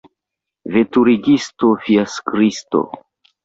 Veturigisto fiakristo!